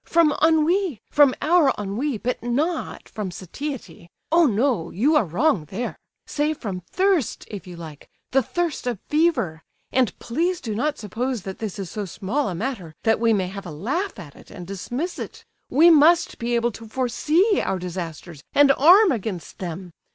"From ennui, from our ennui but not from satiety! Oh, no, you are wrong there! Say from thirst if you like; the thirst of fever! And please do not suppose that this is so small a matter that we may have a laugh at it and dismiss it; we must be able to foresee our disasters and arm against them.